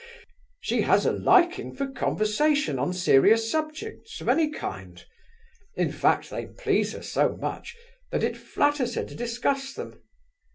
She has a liking for conversation on serious subjects, of any kind; in fact they please her so much, that it flatters her to discuss them.